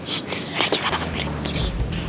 shhh ray kesana sempirin kiri